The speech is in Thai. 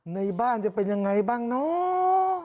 ในบ้านจะเป็นยังไงบ้างเนาะ